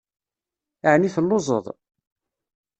Ɛni telluẓeḍ?